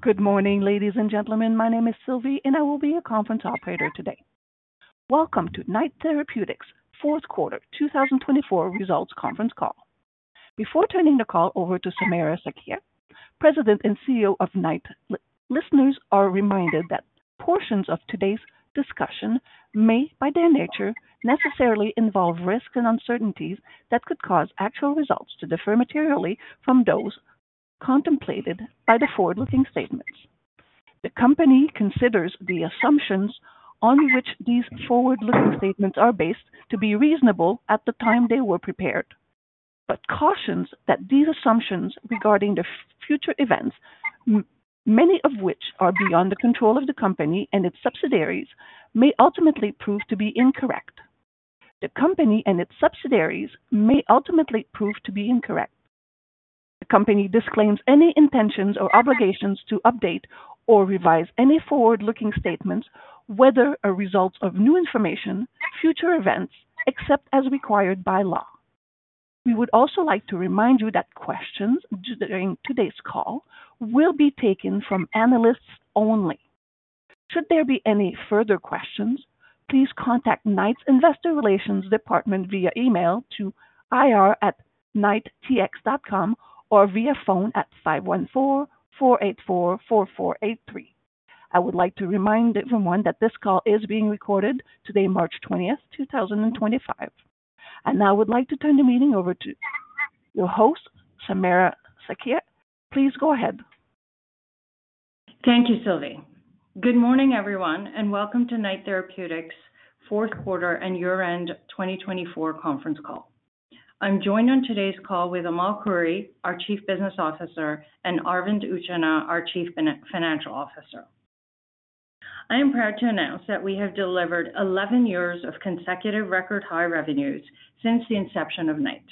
Good morning, ladies and gentlemen. My name is Sylvie, and I will be your conference operator today. Welcome to Knight Therapeutics' fourth quarter 2024 results conference call. Before turning the call over to Samira Sakhia, President and CEO of Knight, listeners are reminded that portions of today's discussion may, by their nature, necessarily involve risks and uncertainties that could cause actual results to differ materially from those contemplated by the forward-looking statements. The company considers the assumptions on which these forward-looking statements are based to be reasonable at the time they were prepared, but cautions that these assumptions regarding the future events, many of which are beyond the control of the company and its subsidiaries, may ultimately prove to be incorrect. The company and its subsidiaries may ultimately prove to be incorrect. The company disclaims any intentions or obligations to update or revise any forward-looking statements, whether a result of new information, future events, except as required by law. We would also like to remind you that questions during today's call will be taken from analysts only. Should there be any further questions, please contact Knight's Investor Relations Department via email to ir@knighttx.com or via phone at 514-484-4483. I would like to remind everyone that this call is being recorded today, March 20th, 2025. Now I would like to turn the meeting over to your host, Samira Sakhia. Please go ahead. Thank you, Sylvie. Good morning, everyone, and welcome to Knight Therapeutics' fourth quarter and year-end 2024 conference call. I'm joined on today's call with Amal Khouri, our Chief Business Officer, and Arvind Utchanah, our Chief Financial Officer. I am proud to announce that we have delivered 11 years of consecutive record high revenues since the inception of Knight.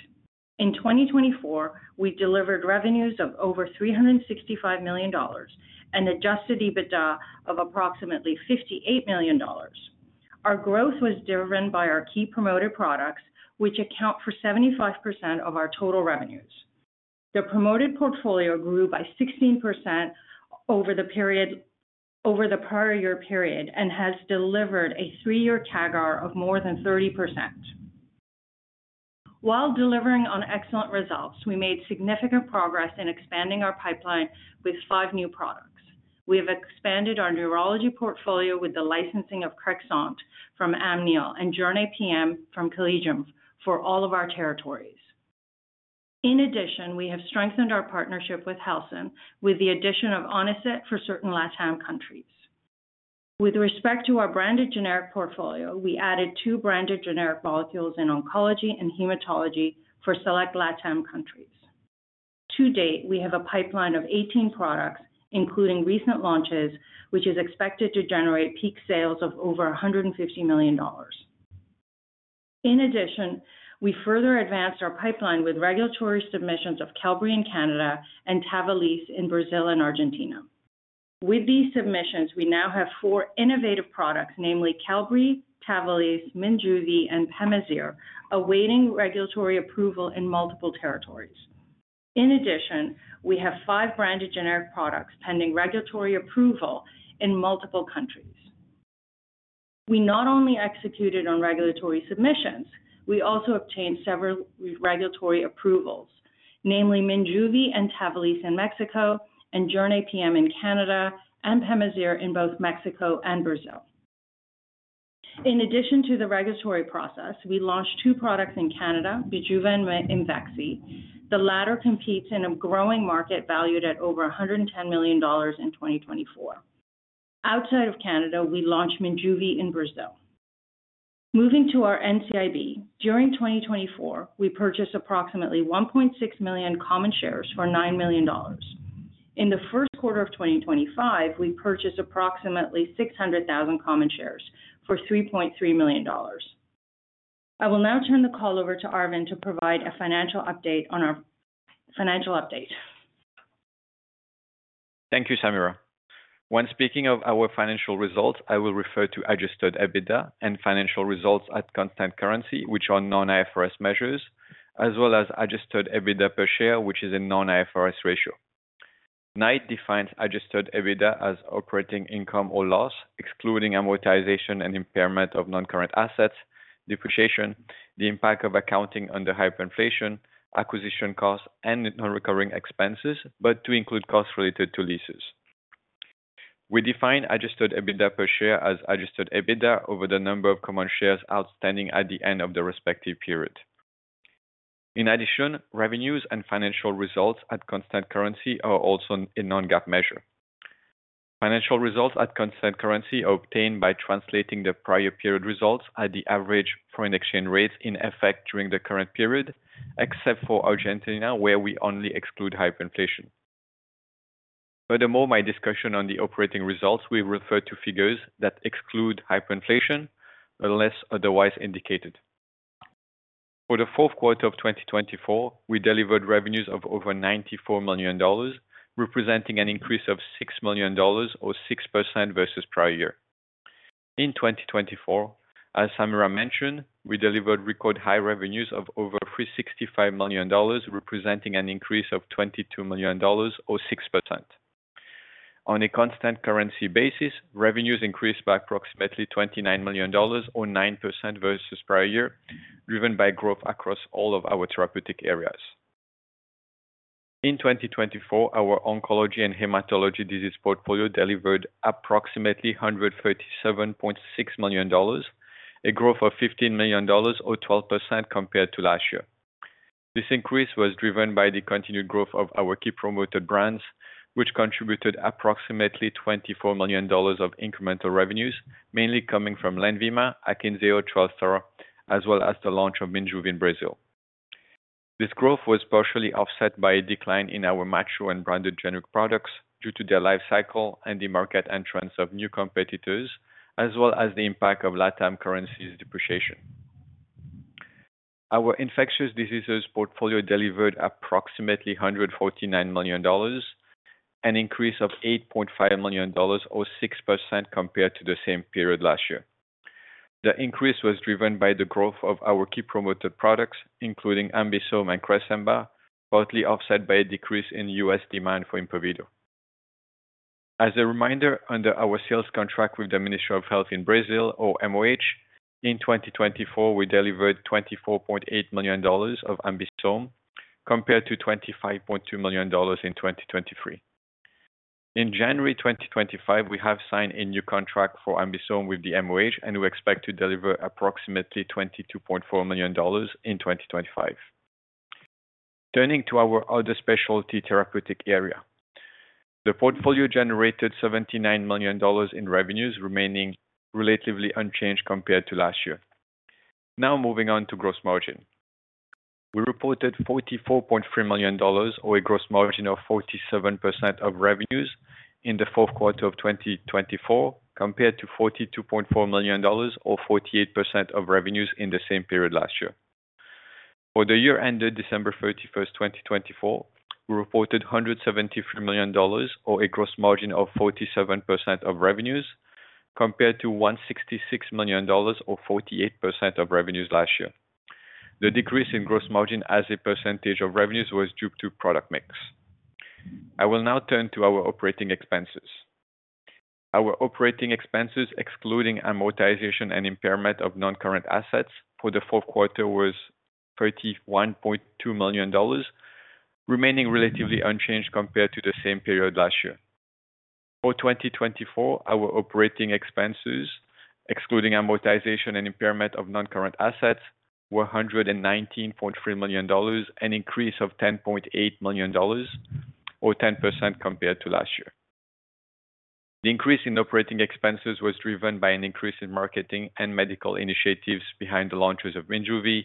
In 2024, we delivered revenues of over 365 million dollars and adjusted EBITDA of approximately 58 million dollars. Our growth was driven by our key promoted products, which account for 75% of our total revenues. The promoted portfolio grew by 16% over the prior year period and has delivered a three-year CAGR of more than 30%. While delivering on excellent results, we made significant progress in expanding our pipeline with five new products. We have expanded our neurology portfolio with the licensing of Crexont from Amneal and Jornay PM from Collegium for all of our territories. In addition, we have strengthened our partnership with Helsinn with the addition of Onicit for certain LATAM countries. With respect to our branded generic portfolio, we added two branded generic molecules in oncology and hematology for select LATAM countries. To date, we have a pipeline of 18 products, including recent launches, which is expected to generate peak sales of over 150 million dollars. In addition, we further advanced our pipeline with regulatory submissions of Qelbree in Canada and Tavalis in Brazil and Argentina. With these submissions, we now have four innovative products, namely Qelbree, Tavalis, Minjuvi, and Pemazir, awaiting regulatory approval in multiple territories. In addition, we have five branded generic products pending regulatory approval in multiple countries. We not only executed on regulatory submissions, we also obtained several regulatory approvals, namely Minjuvi and Tavalis in Mexico, and Jornay PM in Canada, and Pemazir in both Mexico and Brazil. In addition to the regulatory process, we launched two products in Canada, Bijuva and Imvexxy. The latter competes in a growing market valued at over 110 million dollars in 2024. Outside of Canada, we launched Minjuvi in Brazil. Moving to our NCIB, during 2024, we purchased approximately 1.6 million common shares for 9 million dollars. In the first quarter of 2025, we purchased approximately 600,000 common shares for 3.3 million dollars. I will now turn the call over to Arvind to provide a financial update on our financial update. Thank you, Samira. When speaking of our financial results, I will refer to adjusted EBITDA and financial results at constant currency, which are non-IFRS measures, as well as adjusted EBITDA per share, which is a non-IFRS ratio. Knight defines adjusted EBITDA as operating income or loss, excluding amortization and impairment of non-current assets, depreciation, the impact of accounting under hyperinflation, acquisition costs, and non-recurring expenses, but to include costs related to leases. We define adjusted EBITDA per share as adjusted EBITDA over the number of common shares outstanding at the end of the respective period. In addition, revenues and financial results at constant currency are also a non-GAAP measure. Financial results at constant currency are obtained by translating the prior period results at the average foreign exchange rates in effect during the current period, except for Argentina, where we only exclude hyperinflation. Furthermore, my discussion on the operating results, we refer to figures that exclude hyperinflation, unless otherwise indicated. For the fourth quarter of 2024, we delivered revenues of over 94 million dollars, representing an increase of 6 million dollars, or 6% versus prior year. In 2024, as Samira mentioned, we delivered record high revenues of over 365 million dollars, representing an increase of 22 million dollars, or 6%. On a constant currency basis, revenues increased by approximately 29 million dollars, or 9% versus prior year, driven by growth across all of our therapeutic areas. In 2024, our oncology and hematology disease portfolio delivered approximately CAD 137.6 million, a growth of CAD 15 million, or 12% compared to last year. This increase was driven by the continued growth of our key promoted brands, which contributed approximately 24 million dollars of incremental revenues, mainly coming from Lenvima, Akynzeo, Trelstar, as well as the launch of Minjuvi in Brazil. This growth was partially offset by a decline in our mature and branded generic products due to their life cycle and the market entrance of new competitors, as well as the impact of LATAM currency's depreciation. Our infectious diseases portfolio delivered approximately $149 million, an increase of $8.5 million, or 6% compared to the same period last year. The increase was driven by the growth of our key promoted products, including Ambisome and Cresemba, partly offset by a decrease in U.S. demand for Impavido. As a reminder, under our sales contract with the Ministry of Health in Brazil, or MOH, in 2024, we delivered $24.8 million of Ambisome, compared to $25.2 million in 2023. In January 2025, we have signed a new contract for Ambisome with the MOH, and we expect to deliver approximately $22.4 million in 2025. Turning to our other specialty therapeutic area, the portfolio generated 79 million dollars in revenues, remaining relatively unchanged compared to last year. Now moving on to gross margin. We reported 44.3 million dollars, or a gross margin of 47% of revenues in the fourth quarter of 2024, compared to 42.4 million dollars, or 48% of revenues in the same period last year. For the year ended December 31, 2024, we reported 173 million dollars, or a gross margin of 47% of revenues, compared to 166 million dollars, or 48% of revenues last year. The decrease in gross margin as a percentage of revenues was due to product mix. I will now turn to our operating expenses. Our operating expenses, excluding amortization and impairment of non-current assets for the fourth quarter, was 31.2 million dollars, remaining relatively unchanged compared to the same period last year. For 2024, our operating expenses, excluding amortization and impairment of non-current assets, were 119.3 million dollars, an increase of 10.8 million dollars, or 10% compared to last year. The increase in operating expenses was driven by an increase in marketing and medical initiatives behind the launches of Minjuvi,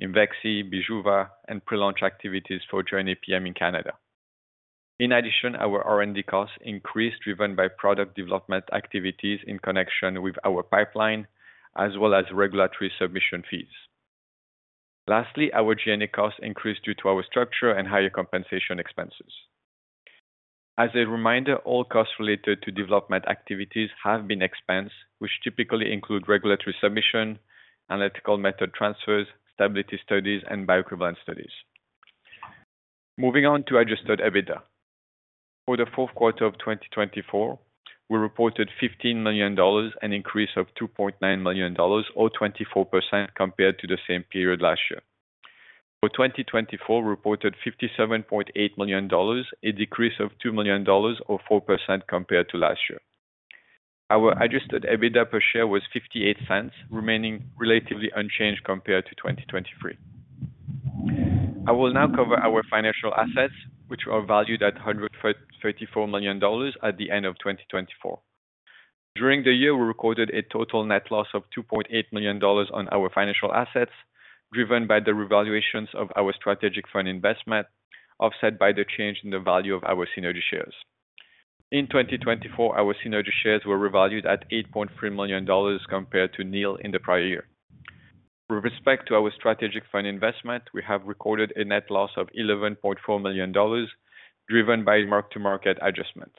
Imvexxy, Bijuva, and pre-launch activities for Jornay PM in Canada. In addition, our R&D costs increased, driven by product development activities in connection with our pipeline, as well as regulatory submission fees. Lastly, our G&A costs increased due to our structure and higher compensation expenses. As a reminder, all costs related to development activities have been expensed, which typically include regulatory submission, analytical method transfers, stability studies, and bioequivalent studies. Moving on to adjusted EBITDA. For the fourth quarter of 2024, we reported 15 million dollars, an increase of 2.9 million dollars, or 24% compared to the same period last year. For 2024, we reported 57.8 million dollars, a decrease of 2 million dollars, or 4% compared to last year. Our adjusted EBITDA per share was 0.58, remaining relatively unchanged compared to 2023. I will now cover our financial assets, which are valued at 134 million dollars at the end of 2024. During the year, we recorded a total net loss of 2.8 million dollars on our financial assets, driven by the revaluations of our strategic fund investment, offset by the change in the value of our synergy shares. In 2024, our synergy shares were revalued at 8.3 million dollars compared to CAD 9 million in the prior year. With respect to our strategic fund investment, we have recorded a net loss of 11.4 million dollars, driven by mark-to-market adjustments.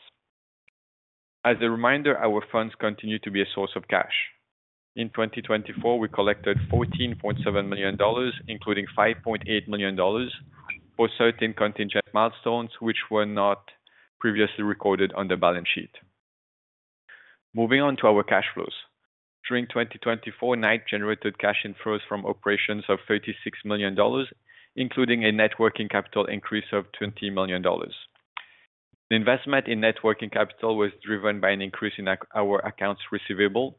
As a reminder, our funds continue to be a source of cash. In 2024, we collected $14.7 million, including $5.8 million, for certain contingent milestones, which were not previously recorded on the balance sheet. Moving on to our cash flows. During 2024, Knight generated cash inflows from operations of $36 million, including a net working capital increase of $20 million. The investment in net working capital was driven by an increase in our accounts receivable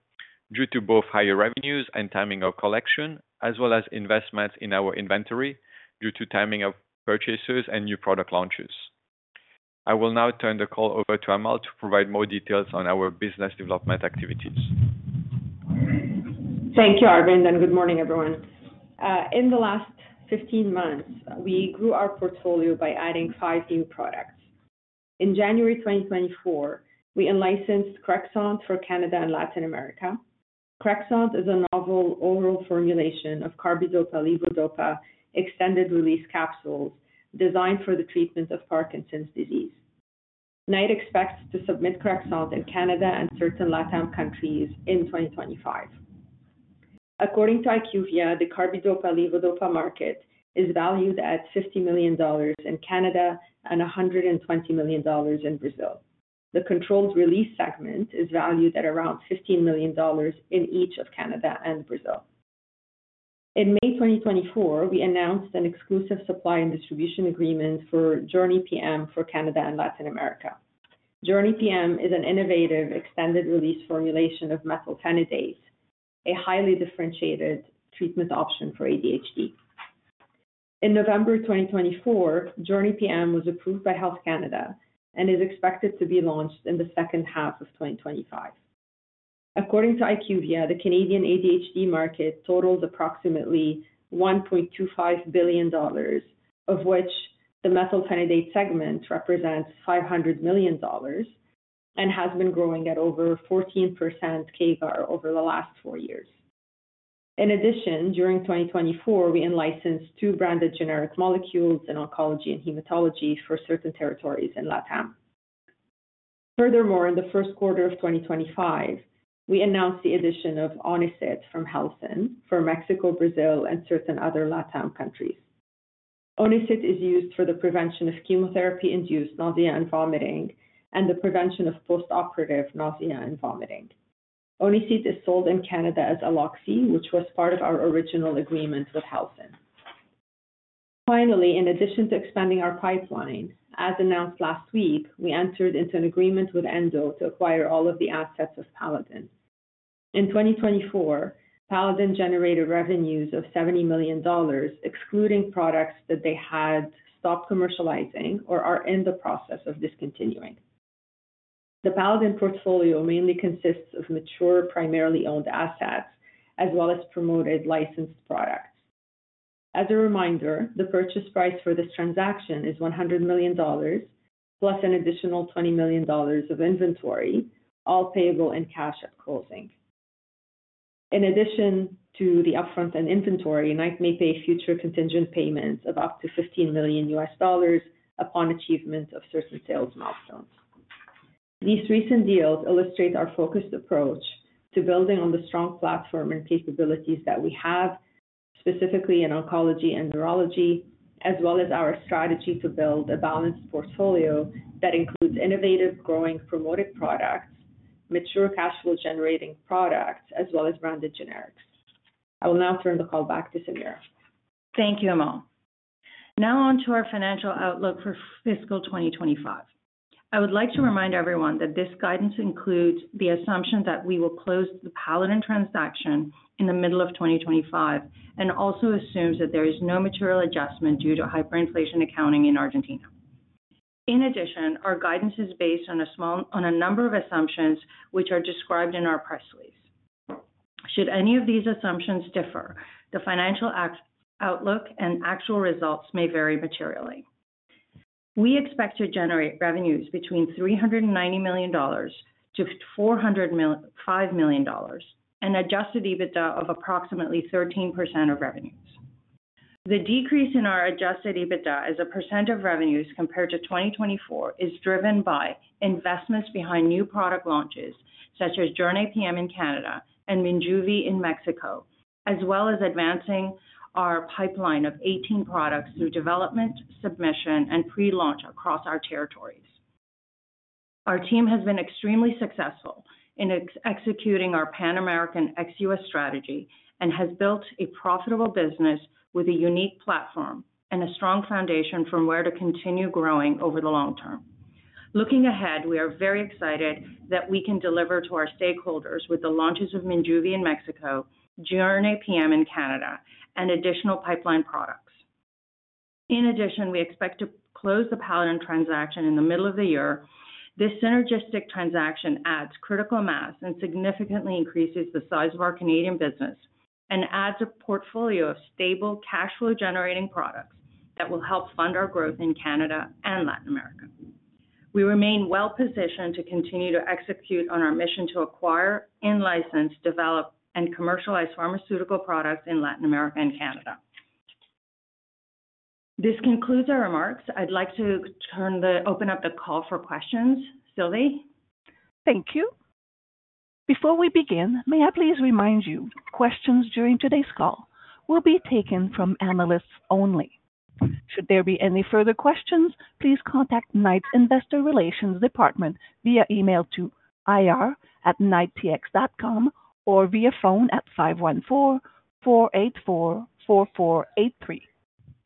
due to both higher revenues and timing of collection, as well as investments in our inventory due to timing of purchases and new product launches. I will now turn the call over to Amal to provide more details on our business development activities. Thank you, Arvind, and good morning, everyone. In the last 15 months, we grew our portfolio by adding five new products. In January 2024, we licensed Crexont for Canada and Latin America. Crexont is a novel oral formulation of carbidopa-levodopa extended-release capsules designed for the treatment of Parkinson's disease. Knight expects to submit Crexont in Canada and certain LATAM countries in 2025. According to IQVIA, the carbidopa-levodopa market is valued at 50 million dollars in Canada and BRL 120 million in Brazil. The controlled release segment is valued at around 15 million dollars in each of Canada and Brazil. In May 2024, we announced an exclusive supply and distribution agreement for Jornay PM for Canada and Latin America. Jornay PM is an innovative extended-release formulation of methylphenidate, a highly differentiated treatment option for ADHD. In November 2024, Jornay PM was approved by Health Canada and is expected to be launched in the second half of 2025. According to IQVIA, the Canadian ADHD market totals approximately 1.25 billion dollars, of which the methylphenidate segment represents 500 million dollars and has been growing at over 14% CAGR over the last four years. In addition, during 2024, we licensed two branded generic molecules in oncology and hematology for certain territories in LATAM. Furthermore, in the first quarter of 2025, we announced the addition of Onicit from Helsinn for Mexico, Brazil, and certain other LATAM countries. Onicit is used for the prevention of chemotherapy-induced nausea and vomiting and the prevention of post-operative nausea and vomiting. Onicit is sold in Canada as Aloxi, which was part of our original agreement with Helsinn. Finally, in addition to expanding our pipeline, as announced last week, we entered into an agreement with Endo to acquire all of the assets of Paladin. In 2024, Paladin generated revenues of 70 million dollars, excluding products that they had stopped commercializing or are in the process of discontinuing. The Paladin portfolio mainly consists of mature primarily owned assets as well as promoted licensed products. As a reminder, the purchase price for this transaction is 100 million dollars, plus an additional 20 million dollars of inventory, all payable in cash at closing. In addition to the upfront and inventory, Knight may pay future contingent payments of up to $15 million upon achievement of certain sales milestones. These recent deals illustrate our focused approach to building on the strong platform and capabilities that we have, specifically in oncology and neurology, as well as our strategy to build a balanced portfolio that includes innovative, growing, promoted products, mature cash flow-generating products, as well as branded generics. I will now turn the call back to Samira. Thank you, Amal. Now on to our financial outlook for fiscal 2025. I would like to remind everyone that this guidance includes the assumption that we will close the Paladin transaction in the middle of 2025 and also assumes that there is no material adjustment due to hyperinflation accounting in Argentina. In addition, our guidance is based on a number of assumptions which are described in our press release. Should any of these assumptions differ, the financial outlook and actual results may vary materially. We expect to generate revenues between 390 million-405 million dollars and adjusted EBITDA of approximately 13% of revenues. The decrease in our adjusted EBITDA as a % of revenues compared to 2024 is driven by investments behind new product launches such as Jorny PM in Canada and Minjuvi in Mexico, as well as advancing our pipeline of 18 products through development, submission, and pre-launch across our territories. Our team has been extremely successful in executing our Pan-American XUS strategy and has built a profitable business with a unique platform and a strong foundation from where to continue growing over the long term. Looking ahead, we are very excited that we can deliver to our stakeholders with the launches of Minjuvi in Mexico, Jornay PM in Canada, and additional pipeline products. In addition, we expect to close the Paladin transaction in the middle of the year. This synergistic transaction adds critical mass and significantly increases the size of our Canadian business and adds a portfolio of stable cash flow-generating products that will help fund our growth in Canada and Latin America. We remain well-positioned to continue to execute on our mission to acquire, license, develop, and commercialize pharmaceutical products in Latin America and Canada. This concludes our remarks. I'd like to open up the call for questions. Sylvie? Thank you. Before we begin, may I please remind you questions during today's call will be taken from analysts only. Should there be any further questions, please contact Knight's Investor Relations Department via email to ir@knighttx.com or via phone at 514-484-4483.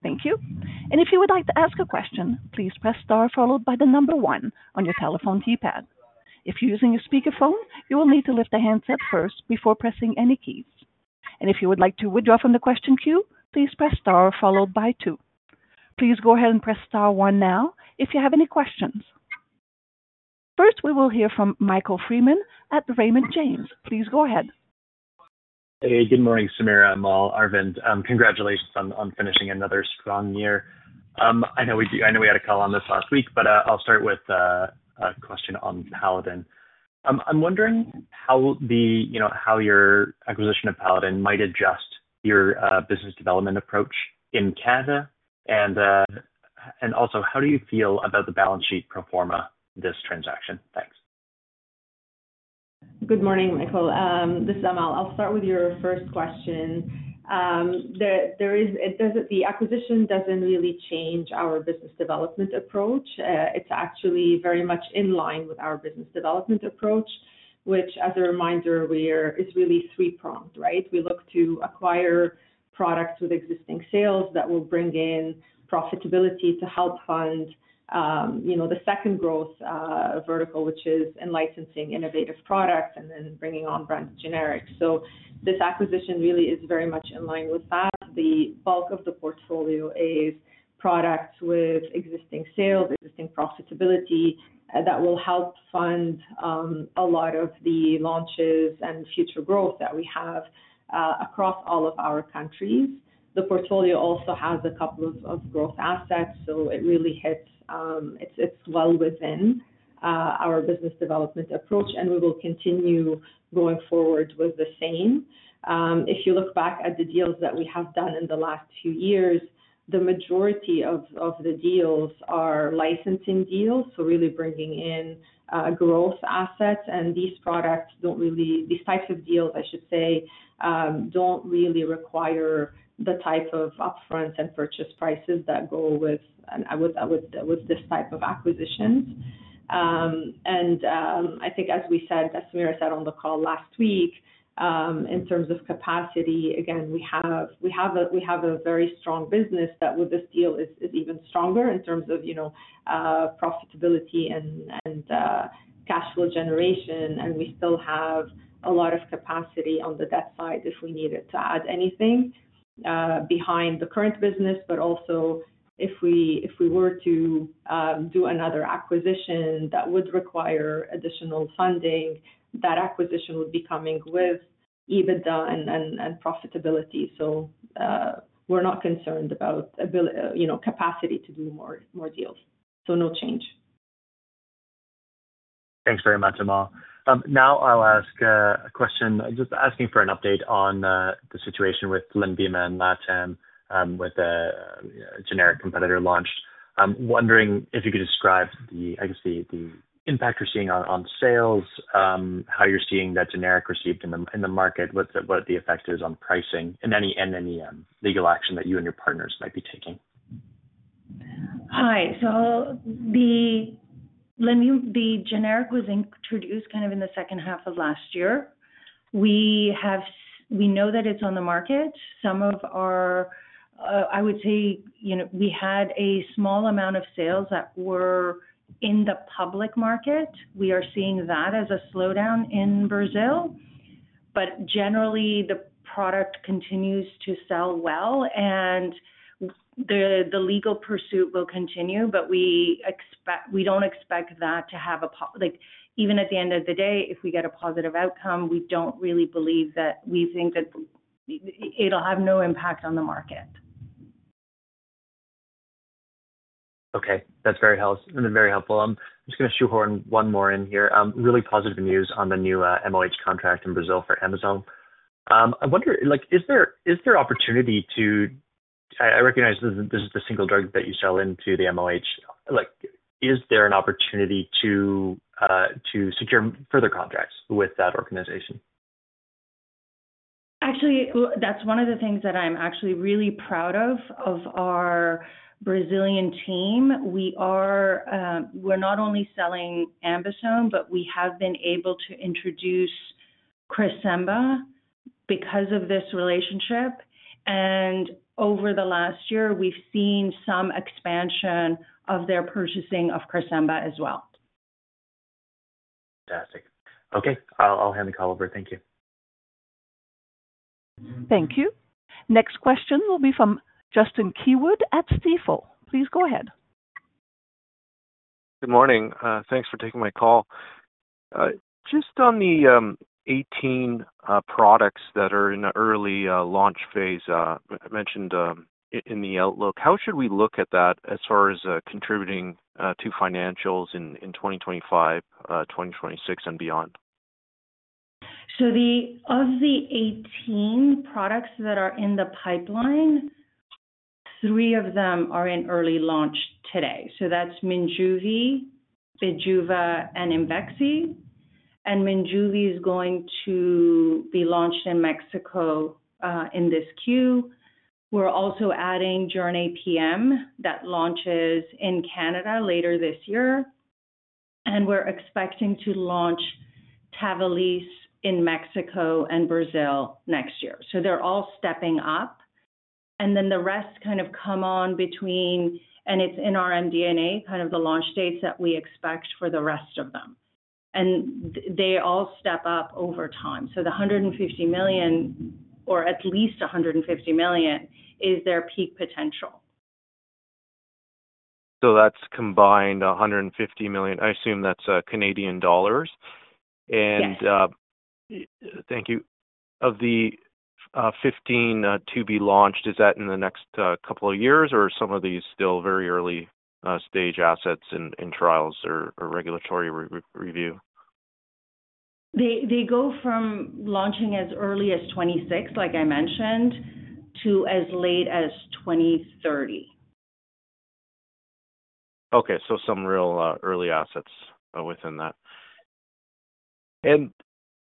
Thank you. If you would like to ask a question, please press star followed by the number one on your telephone keypad. If you're using a speakerphone, you will need to lift the handset first before pressing any keys. If you would like to withdraw from the question queue, please press star followed by two. Please go ahead and press star one now if you have any questions. First, we will hear from Michael Freeman at Raymond James. Please go ahead. Hey, good morning, Samira, Amal, Arvind. Congratulations on finishing another strong year. I know we had a call on this last week, but I'll start with a question on Paladin. I'm wondering how your acquisition of Paladin might adjust your business development approach in Canada, and also how do you feel about the balance sheet pro forma of this transaction? Thanks. Good morning, Michael. This is Amal. I'll start with your first question. The acquisition doesn't really change our business development approach. It's actually very much in line with our business development approach, which, as a reminder, is really three-pronged, right? We look to acquire products with existing sales that will bring in profitability to help fund the second growth vertical, which is in licensing innovative products and then bringing on branded generics. This acquisition really is very much in line with that. The bulk of the portfolio is products with existing sales, existing profitability that will help fund a lot of the launches and future growth that we have across all of our countries. The portfolio also has a couple of growth assets, so it really hits, it's well within our business development approach, and we will continue going forward with the same. If you look back at the deals that we have done in the last few years, the majority of the deals are licensing deals, so really bringing in growth assets. These products do not really—these types of deals, I should say, do not really require the type of upfront and purchase prices that go with this type of acquisitions. I think, as we said, as Samira said on the call last week, in terms of capacity, again, we have a very strong business that with this deal is even stronger in terms of profitability and cash flow generation, and we still have a lot of capacity on the debt side if we needed to add anything behind the current business. Also, if we were to do another acquisition that would require additional funding, that acquisition would be coming with EBITDA and profitability. We're not concerned about capacity to do more deals. No change. Thanks very much, Amal. Now I'll ask a question. Just asking for an update on the situation with Lenvima in LATAM with a generic competitor launched. I'm wondering if you could describe, I guess, the impact you're seeing on sales, how you're seeing that generic received in the market, what the effect is on pricing, and any legal action that you and your partners might be taking. Hi. The generic was introduced kind of in the second half of last year. We know that it's on the market. Some of our—I would say we had a small amount of sales that were in the public market. We are seeing that as a slowdown in Brazil. Generally, the product continues to sell well, and the legal pursuit will continue. We do not expect that to have a—even at the end of the day, if we get a positive outcome, we do not really believe that we think that it will have no impact on the market. Okay. That's very helpful. I'm just going to shoehorn one more in here. Really positive news on the new MOH contract in Brazil for Ambisome. I wonder, is there opportunity to—I recognize this is the single drug that you sell into the MOH. Is there an opportunity to secure further contracts with that organization? Actually, that's one of the things that I'm actually really proud of, of our Brazilian team. We're not only selling Ambisome, but we have been able to introduce Cresemba because of this relationship. Over the last year, we've seen some expansion of their purchasing of Cresemba as well. Fantastic. Okay. I'll hand the call over. Thank you. Thank you. Next question will be from Justin Keywood at Stifel. Please go ahead. Good morning. Thanks for taking my call. Just on the 18 products that are in the early launch phase mentioned in the outlook, how should we look at that as far as contributing to financials in 2025, 2026, and beyond? Of the 18 products that are in the pipeline, three of them are in early launch today. That's Minjuvi, Bijuva, and Imvexxy. Minjuvi is going to be launched in Mexico in this quarter. We're also adding Jornay PM that launches in Canada later this year. We're expecting to launch Tavalis in Mexico and Brazil next year. They're all stepping up. The rest kind of come on between, and it's in our MD&A, kind of the launch dates that we expect for the rest of them. They all step up over time. The $150 million, or at least $150 million, is their peak potential. That's combined 150 million. I assume that's Canadian dollars. Yes. Thank you. Of the 15 to be launched, is that in the next couple of years, or are some of these still very early-stage assets in trials or regulatory review? They go from launching as early as 2026, like I mentioned, to as late as 2030. Okay. Some real early assets within that.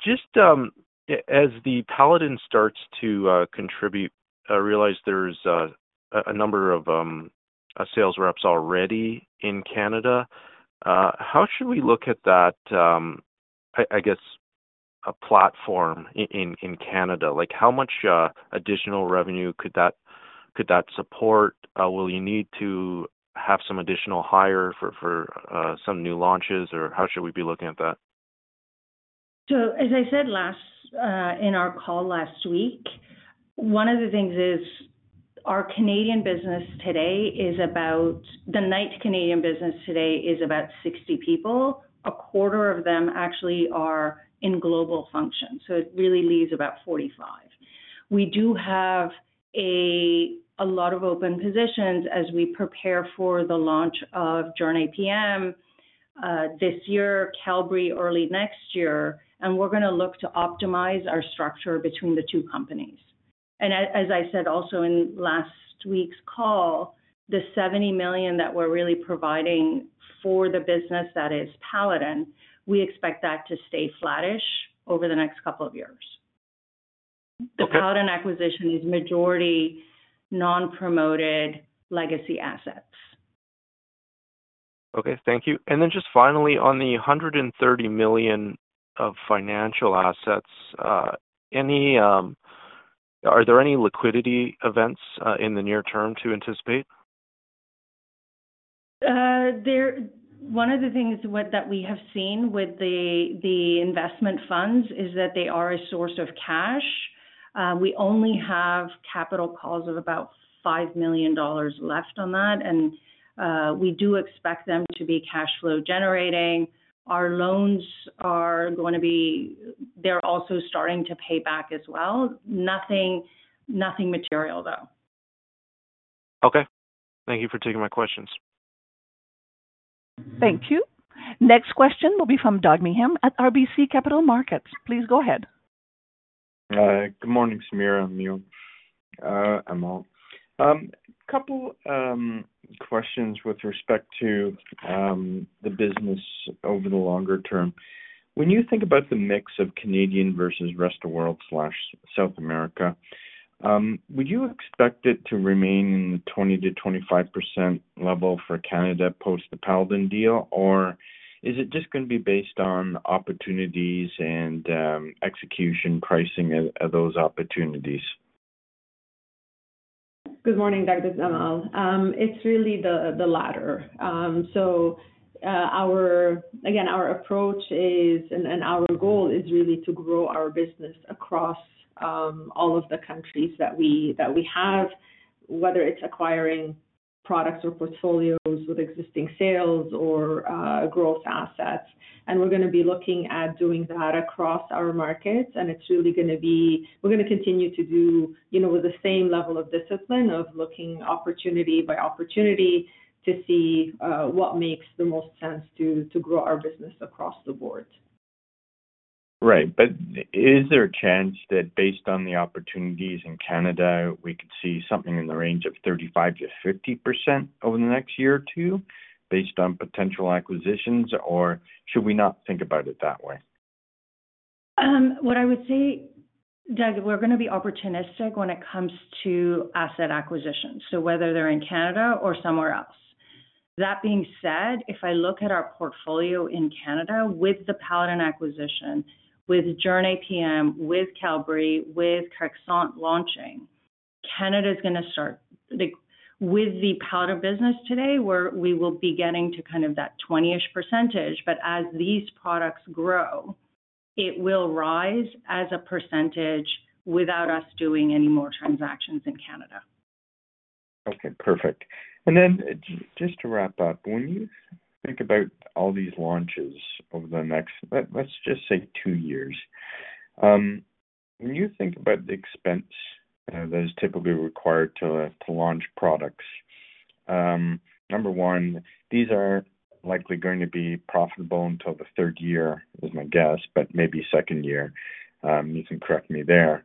Just as the Paladin starts to contribute, I realize there's a number of sales reps already in Canada. How should we look at that, I guess, a platform in Canada? How much additional revenue could that support? Will you need to have some additional hire for some new launches, or how should we be looking at that? As I said in our call last week, one of the things is our Canadian business today is about—the Knight Canadian business today is about 60 people. A quarter of them actually are in global function. It really leaves about 45. We do have a lot of open positions as we prepare for the launch of Jornay PM this year, Qelbree early next year, and we're going to look to optimize our structure between the two companies. As I said also in last week's call, the 70 million that we're really providing for the business that is Paladin, we expect that to stay flattish over the next couple of years. The Paladin acquisition is majority non-promoted legacy assets. Okay. Thank you. Finally, on the 130 million of financial assets, are there any liquidity events in the near term to anticipate? One of the things that we have seen with the investment funds is that they are a source of cash. We only have capital calls of about $5 million left on that. We do expect them to be cash flow generating. Our loans are going to be, they're also starting to pay back as well. Nothing material, though. Okay. Thank you for taking my questions. Thank you. Next question will be from Doug Meihm at RBC Capital Markets. Please go ahead. Good morning, Samira and Amal. A couple of questions with respect to the business over the longer term. When you think about the mix of Canadian versus rest of the world/South America, would you expect it to remain in the 20%-25% level for Canada post the Paladin deal, or is it just going to be based on opportunities and execution pricing of those opportunities? Good morning, Doug. This is Amal. It's really the latter. Again, our approach and our goal is really to grow our business across all of the countries that we have, whether it's acquiring products or portfolios with existing sales or growth assets. We're going to be looking at doing that across our markets. We're going to continue to do with the same level of discipline of looking opportunity by opportunity to see what makes the most sense to grow our business across the board. Right. Is there a chance that based on the opportunities in Canada, we could see something in the range of 35%-50% over the next year or two based on potential acquisitions, or should we not think about it that way? What I would say, Doug, we're going to be opportunistic when it comes to asset acquisitions, so whether they're in Canada or somewhere else. That being said, if I look at our portfolio in Canada with the Paladin acquisition, with Jornay PM, with Qelbree, with Crexont launching, Canada is going to start with the Paladin business today, where we will be getting to kind of that 20% ish. As these products grow, it will rise as a percentage without us doing any more transactions in Canada. Okay. Perfect. Just to wrap up, when you think about all these launches over the next, let's just say, two years, when you think about the expense that is typically required to launch products, number one, these are likely going to be profitable until the third year is my guess, but maybe second year. You can correct me there.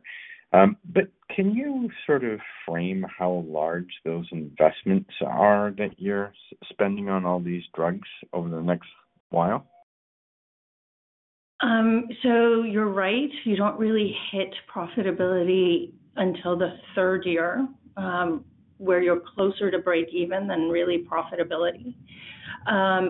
Can you sort of frame how large those investments are that you're spending on all these drugs over the next while? You're right. You don't really hit profitability until the third year, where you're closer to break-even than really profitability.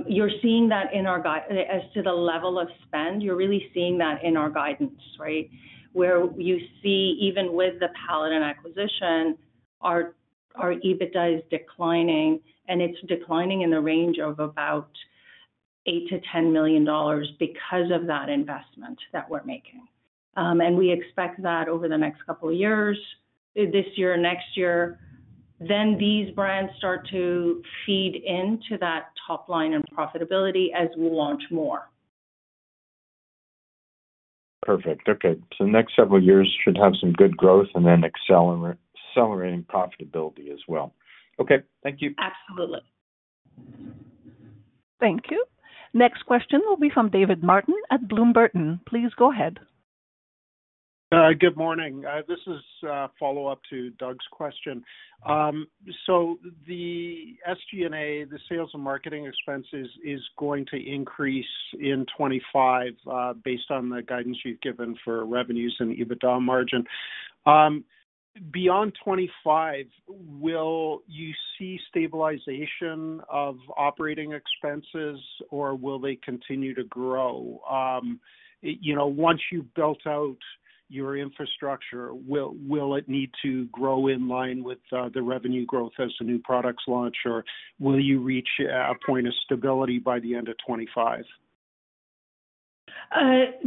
You're seeing that in our—as to the level of spend, you're really seeing that in our guidance, right, where you see even with the Paladin acquisition, our EBITDA is declining, and it's declining in the range of $8 million-$10 million because of that investment that we're making. We expect that over the next couple of years, this year, next year, then these brands start to feed into that top line and profitability as we launch more. Perfect. Okay, the next several years should have some good growth and then accelerating profitability as well. Okay, thank you. Absolutely. Thank you. Next question will be from David Martin at Bloom Burton. Please go ahead. Good morning. This is a follow-up to Doug's question. The SG&A, the sales and marketing expenses, is going to increase in 2025 based on the guidance you've given for revenues and EBITDA margin. Beyond 2025, will you see stabilization of operating expenses, or will they continue to grow? Once you've built out your infrastructure, will it need to grow in line with the revenue growth as the new products launch, or will you reach a point of stability by the end of 2025?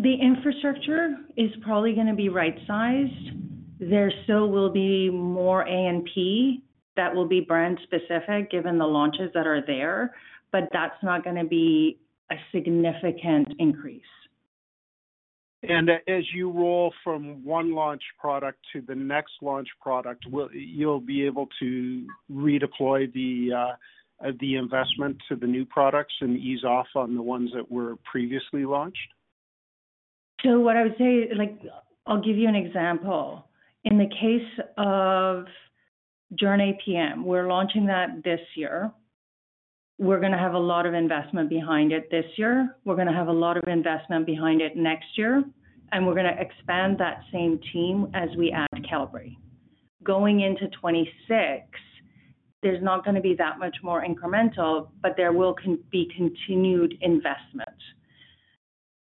The infrastructure is probably going to be right-sized. There still will be more A&P that will be brand-specific given the launches that are there, but that's not going to be a significant increase. As you roll from one launch product to the next launch product, you'll be able to redeploy the investment to the new products and ease off on the ones that were previously launched? What I would say, I'll give you an example. In the case of Jornay PM, we're launching that this year. We're going to have a lot of investment behind it this year. We're going to have a lot of investment behind it next year. We're going to expand that same team as we add Qelbree. Going into 2026, there's not going to be that much more incremental, but there will be continued investment.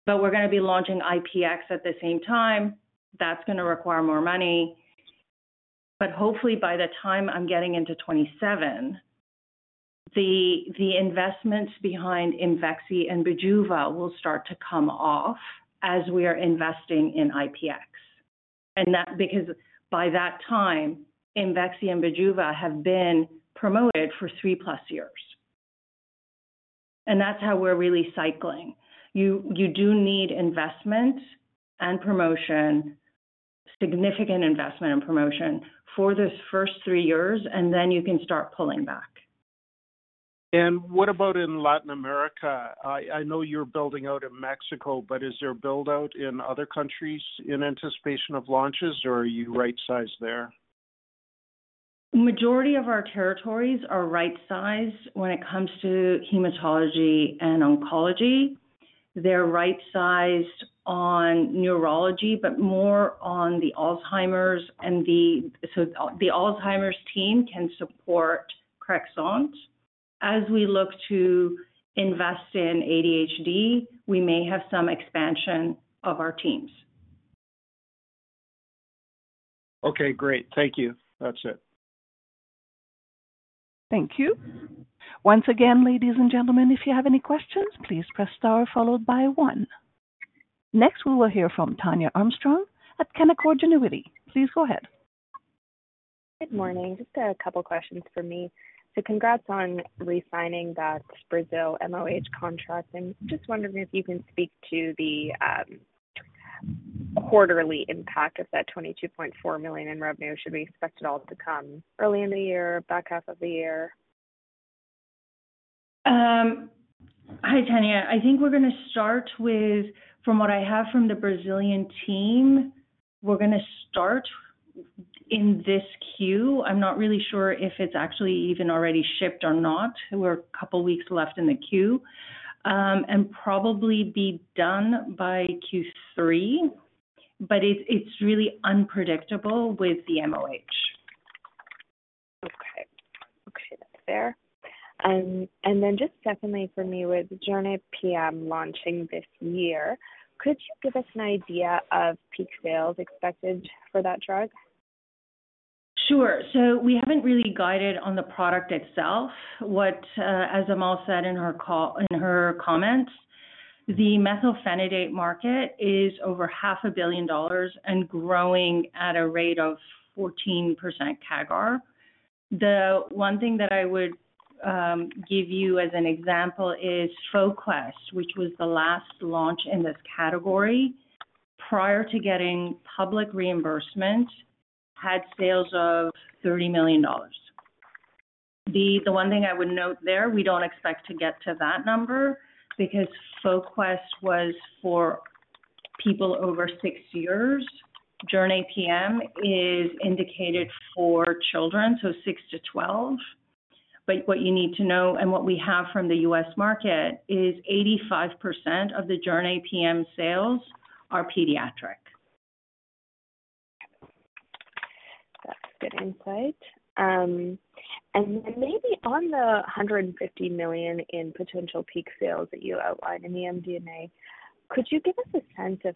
We're going to be launching IPX at the same time. That's going to require more money. Hopefully, by the time I'm getting into 2027, the investments behind Imvexxy and Bijuva will start to come off as we are investing in IPX. That's because by that time, Imvexxy and Bijuva have been promoted for three-plus years. That's how we're really cycling. You do need investment and promotion, significant investment and promotion for those first three years, and then you can start pulling back. What about in Latin America? I know you're building out in Mexico, but is there build-out in other countries in anticipation of launches, or are you right-sized there? Majority of our territories are right-sized when it comes to hematology and oncology. They're right-sized on neurology, but more on the Alzheimer's. The Alzheimer's team can support Crexont. As we look to invest in ADHD, we may have some expansion of our teams. Okay. Great. Thank you. That's it. Thank you. Once again, ladies and gentlemen, if you have any questions, please press star followed by one. Next, we will hear from Tania Armstrong at Canaccord Genuity. Please go ahead. Good morning. Just a couple of questions for me. Congrats on re-signing that Brazil MOH contract, and just wondering if you can speak to the quarterly impact of that $22.4 million in revenue. Should we expect it all to come early in the year, back half of the year? Hi, Tania. I think we're going to start with, from what I have from the Brazilian team, we're going to start in this queue. I'm not really sure if it's actually even already shipped or not. We're a couple of weeks left in the queue and probably be done by Q3, but it's really unpredictable with the MOH. Okay. Okay. That's fair. Just secondly for me, with Jornay PM launching this year, could you give us an idea of peak sales expected for that drug? Sure. We haven't really guided on the product itself. As Amal said in her comments, the methylphenidate market is over $500 million and growing at a rate of 14% CAGR. The one thing that I would give you as an example is Foquest, which was the last launch in this category. Prior to getting public reimbursement, had sales of $30 million. The one thing I would note there, we don't expect to get to that number because Foquest was for people over six years. Jornay PM is indicated for children, so 6-12. What you need to know and what we have from the US market is 85% of the Jornay PM sales are pediatric. That's good insight. Maybe on the 150 million in potential peak sales that you outlined in the MD&A, could you give us a sense of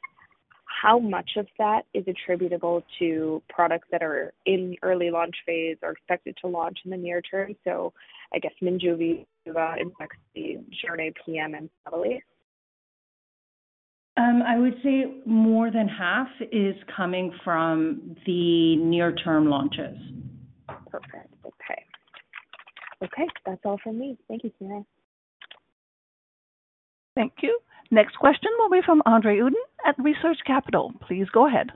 how much of that is attributable to products that are in early launch phase or expected to launch in the near term? I guess Minjuvi, Bijuva, Imvexxy, Jornay PM, and Mobility? I would say more than half is coming from the near-term launches. Perfect. Okay. Okay. That's all from me. Thank you, Samira. Thank you. Next question will be from Andre Uddin at Research Capital. Please go ahead.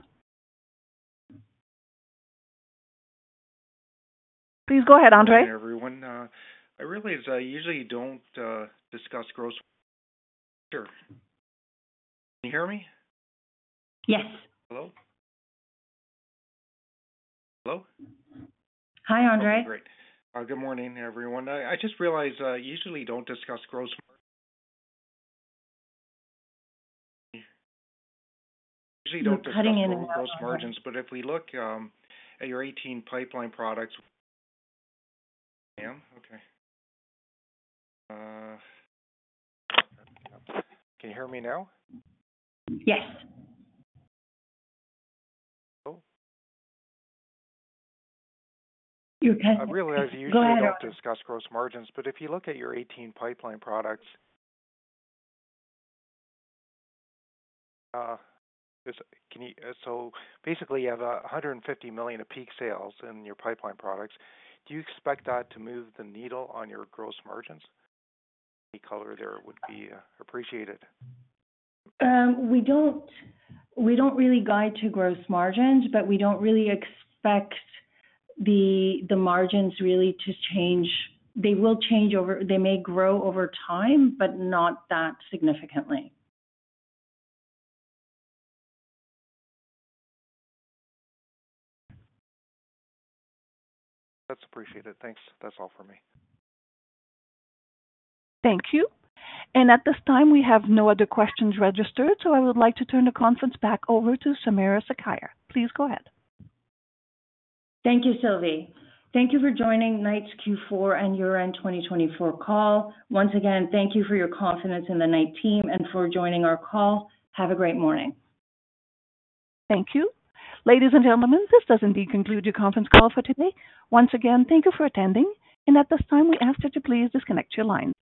Please go ahead, Andre. Hi everyone. I realize I usually do not discuss growth. Sure. Can you hear me? Yes. Hello? Hello? Hi, Andre. Great. Good morning, everyone. I just realized I usually don't discuss gross margins. Usually don't discuss gross margins, but if we look at your 18 pipeline products and okay. Can you hear me now? Yes. Hello? You're cutting out. I realize you usually don't discuss gross margins, but if you look at your 18 pipeline products, so basically you have 150 million of peak sales in your pipeline products. Do you expect that to move the needle on your gross margins? Any color there would be appreciated. We don't really guide to gross margins, but we don't really expect the margins really to change. They will change over. They may grow over time, but not that significantly. That's appreciated. Thanks. That's all for me. Thank you. At this time, we have no other questions registered, so I would like to turn the conference back over to Samira Sakhia. Please go ahead. Thank you, Sylvie. Thank you for joining Knight's Q4 and Year End 2024 call. Once again, thank you for your confidence in the Knight team and for joining our call. Have a great morning. Thank you. Ladies and gentlemen, this does indeed conclude your conference call for today. Once again, thank you for attending. At this time, we ask that you please disconnect your lines.